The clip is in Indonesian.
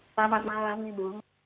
selamat malam ibu